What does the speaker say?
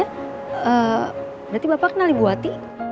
berarti bapak kenal ibu wati